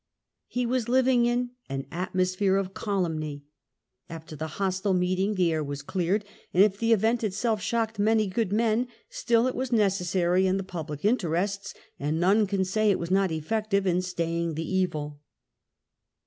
He was living in "an atmosphere of calumny ": after the hostile meeting the air was cleared; and if the event itself shocked many good men, still it was necessary in the public interests, and none can say it was not effective in staying the evil.